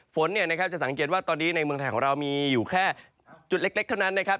ฝนเนี่ยนะครับจะสังเกตว่าตอนนี้ในเมืองไทยของเรามีอยู่แค่จุดเล็กเท่านั้นนะครับ